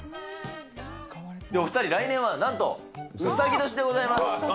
お２人、来年はなんとうさぎ年でございます。